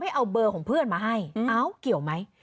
เอาเบอร์ของเพื่อนมาให้เอ้าเกี่ยวไหม